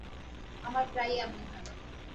আমার প্রায়ই এমন হয়।